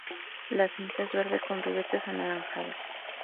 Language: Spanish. La cinta es verde con ribetes anaranjados.